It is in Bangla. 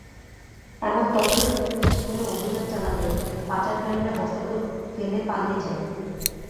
এমন তথ্য পেয়ে পুলিশ সেখানে অভিযান চালালে পাচারকারীরা বস্তাগুলো ফেলে পালিয়ে যায়।